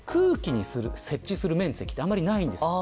空気に接地する面積はあまりないんですよ。